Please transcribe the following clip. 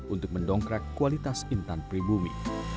untuk mendongkrak kualitas intan pribumi